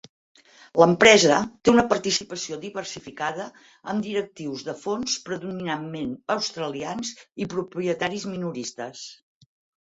L'empresa té una participació diversificada amb directius de fons predominantment australians i propietaris minoristes.